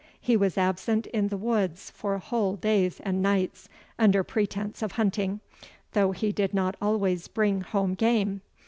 He was absent in the woods for whole days and nights, under pretence of hunting, though he did not always bring home game.